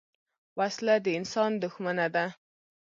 وسله د انسان دښمنه ده